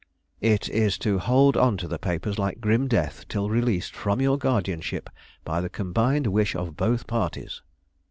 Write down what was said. "It is to hold on to the papers like grim death till released from your guardianship by the combined wish of both parties."